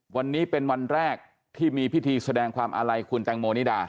วันนี้เป็นวันแรกที่มีพิธีแสดงความอาลัยคุณแตงโมนิดา